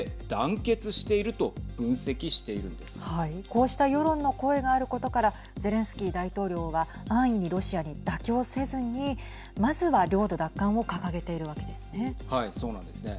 こうした世論の声があることからゼレンスキー大統領は安易にロシアに妥協せずにまずは領土奪還を掲げているわけですね。